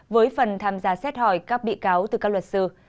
với phần tham gia xét hỏi các bị cáo từ các luật sư